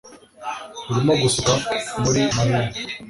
Barimo gusuka muri amain